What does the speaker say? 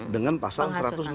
dengan pasal satu ratus enam puluh